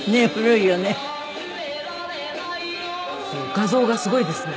画像がすごいですね。